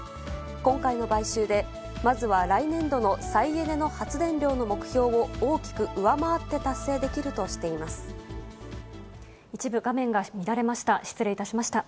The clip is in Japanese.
今回の買収で、まずは来年度の再エネの発電量の目標を大きく上回って達成できる一部画面が乱れました。